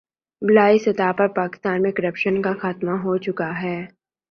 بالائی سطح پر پاکستان میں کرپشن کا خاتمہ ہو چکا ہے